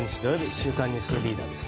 「週刊ニュースリーダー」です。